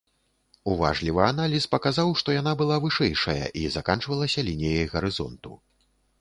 Уважлівы аналіз паказаў, што яна была вышэйшая і заканчвалася лініяй гарызонту.